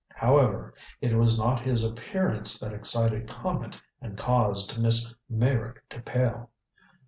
However, it was not his appearance that excited comment and caused Miss Meyrick to pale.